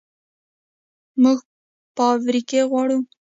موږ فابریکې غواړو